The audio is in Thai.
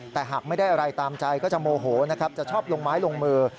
แต่หากไม่ได้อะไรตามใจก็จะโมโหนะครับจะชอบลงไม้ลงมือ